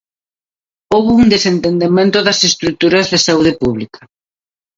Houbo un desentendemento das estruturas de saúde pública.